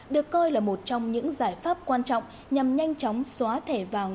được coi là một trong những giải pháp quan trọng nhằm nhanh chóng xóa thẻ vàng